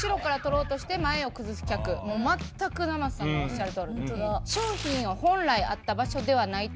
もう全く生瀬さんのおっしゃるとおり。